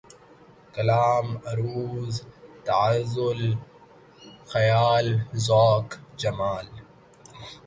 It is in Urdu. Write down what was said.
کلام ، عَرُوض ، تغزل ، خیال ، ذوق ، جمال